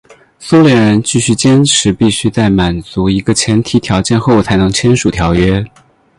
苏联人继续坚持必须在满足一个前提条件后才能签署条约。